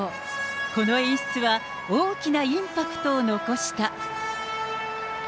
この演出は、大きなインパクトを残した。